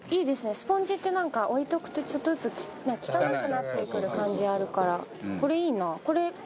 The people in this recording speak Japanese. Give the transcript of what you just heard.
スポンジってなんか置いておくとちょっとずつ汚くなってくる感じあるから。